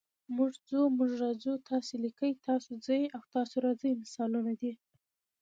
موږ ځو، موږ راځو، تاسې لیکئ، تاسو ځئ او تاسو راځئ مثالونه دي.